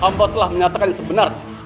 hamba telah menyatakan yang sebenarnya